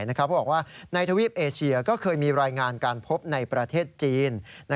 เขาบอกว่าในทวีปเอเชียก็เคยมีรายงานการพบในประเทศจีน